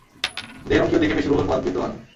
দেহের অঙ্কীয় দিকে পেশিবহুল পদ বিদ্যমান।